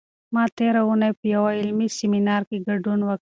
ما تېره اونۍ په یوه علمي سیمینار کې ګډون وکړ.